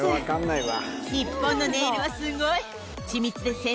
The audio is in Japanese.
日本のネイルはすごい。